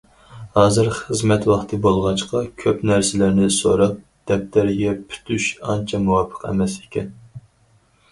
ھازىر خىزمەت ۋاقتى بولغاچقا، كۆپ نەرسىلەرنى سوراپ، دەپتەرگە پۈتۈش ئانچە مۇۋاپىق ئەمەس ئىكەن.